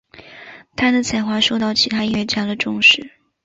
他的才华受到其他音乐家的重视。